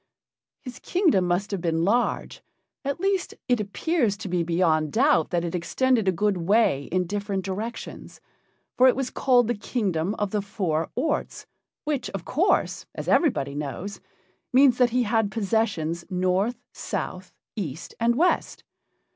His kingdom must have been large; at least it appears to be beyond doubt that it extended a good way in different directions, for it was called the Kingdom of the Four Orts, which, of course, as everybody knows, means that he had possessions north, south, east, and west.